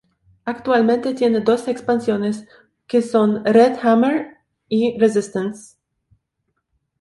Actualmente tiene dos expansiones que son "Red Hammer" y "Resistance".